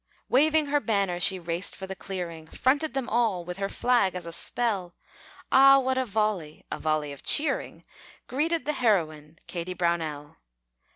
Waving her banner she raced for the clearing; Fronted them all, with her flag as a spell; Ah, what a volley a volley of cheering Greeted the heroine, Kady Brownell!